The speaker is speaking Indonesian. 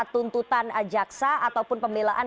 tuntutan jaksa ataupun pemilaan